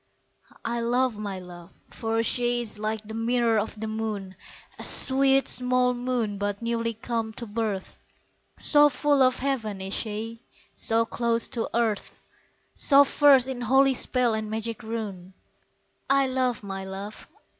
I love my love for she is like the mirror of the moon, (A sweet, small moon but newly come to birth) So full of heaven is she, so close to earth, So versed in holy spell and magic rune. I love my love.